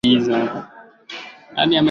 redio nyingi zilianzishwa karne ya ishilini